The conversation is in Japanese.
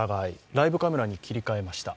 ライブカメラに切り替えました。